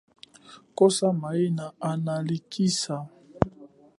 Kosa mahina analikhisa.